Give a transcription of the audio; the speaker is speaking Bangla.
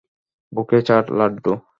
ওকে ছাড়, লাড্ডু!